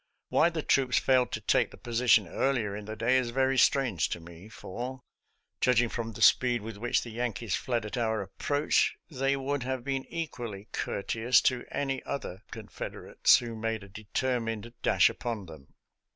Why the troops failed to take the position earlier in the day is very strange to me, for, judging from the speed with which the Yankees fled at our approach, they would have been equally courteous to any other Confederates who made a determined dash upon them.